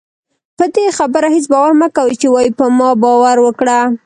پدې خبره هېڅ باور مکوئ چې وايي په ما باور وکړه